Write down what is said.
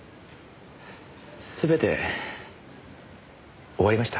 全て終わりました。